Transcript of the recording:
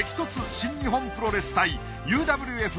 新日本プロレス対ＵＷＦ